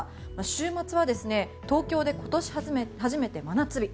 週末は東京で今年初めての真夏日。